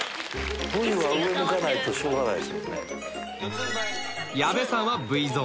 Ｖは上向かないとしょうがないですもんね。